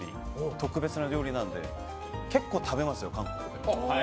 特別な料理なんで結構食べますよ、韓国で。